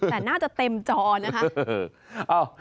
แต่น่าจะเต็มจอนะคะ